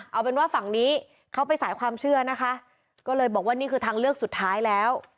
เอาเป็นว่าฝั่งนี้เขาไปสายความเชื่อนะคะก็เลยบอกว่านี่คือทางเลือกสุดท้ายแล้ว